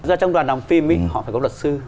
rồi trong đoàn làm phim ý họ phải có luật sư